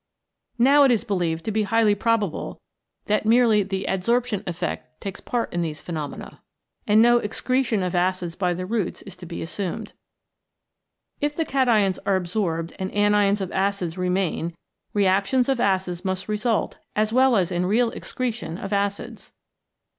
Now it is believed to be highly probable that merely the adsorption effect takes part in these phenomena, and no excretion of acids by the roots is to be assumed. If the cations are adsorbed and anions of acids remain reactions of acids must result as well as in real ex cretion of acids.